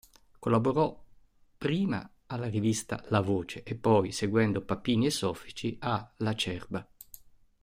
Collaborò prima alla rivista "La Voce" e poi, seguendo Papini e Soffici, a "Lacerba".